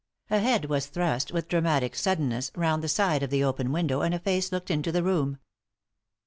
A head was thrust, with dramatic suddenness, round the side of the open window, and a face looked into the room.